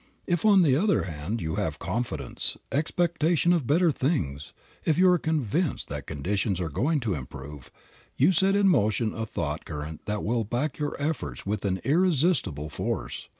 If, on the other hand, you have confidence, expectation of better things, if you are convinced that conditions are going to improve, you set in motion a thought current that will back your efforts with an irresistible force.